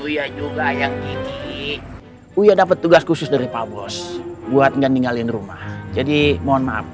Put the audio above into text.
uya juga yang ini uya dapat tugas khusus dari pak bos buat ngingalin rumah jadi mohon maaf